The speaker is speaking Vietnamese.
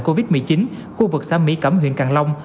covid một mươi chín khu vực xã mỹ cẩm huyện càng long